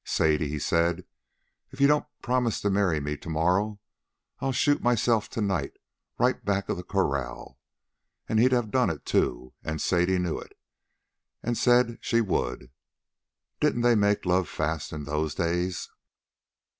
'Sadie,' he said, 'if you don't promise to marry me to morrow, I'll shoot myself to night right back of the corral.' And he'd have done it, too, and Sadie knew it, and said she would. Didn't they make love fast in those days?"